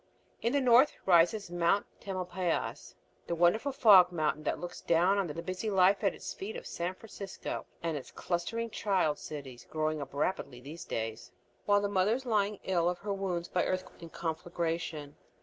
In the north rises Mt. Tamalpais, the wonderful fog mountain that looks down on the busy life at its feet of San Francisco, and its clustering child cities growing up rapidly these days, while the mother is lying ill of her wounds by earthquake and conflagration.